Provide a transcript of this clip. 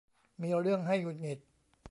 มีเรื่องให้หงุดหงิด